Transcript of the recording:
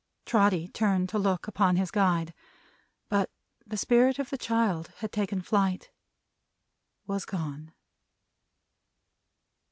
Trotty turned to look upon his guide. But, the Spirit of the child had taken flight. Was gone.